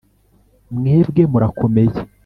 Mwebwe murakomeye